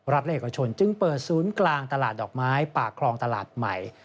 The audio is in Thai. และเอกชนจึงเปิดศูนย์กลางตลาดดอกไม้ปากคลองตลาดใหม่